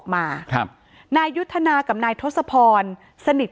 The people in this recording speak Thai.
อ๋อเจ้าสีสุข่าวของสิ้นพอได้ด้วย